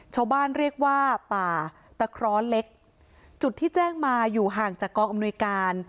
ชาวบ้านเรียกว่าป่าตะคร้อเล็กจุดที่แจ้งมาอยู่ห่างจากกองอำนวยการ